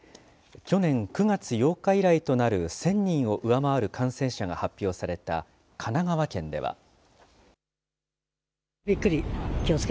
去年９月８日以来となる、１０００人を上回る感染者が発表された神奈川県では。